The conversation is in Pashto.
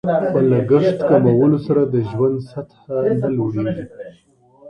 په لګښت کمولو سره د ژوند سطحه نه لوړیږي.